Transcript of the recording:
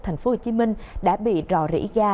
thành phố hồ chí minh đã bị rò rỉ ga